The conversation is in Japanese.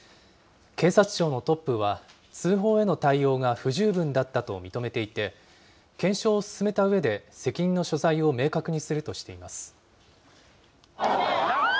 警察庁のトップは、通報への対応が不十分だったと認めていて、検証を進めたうえで、責任の所在を明確にするとしています。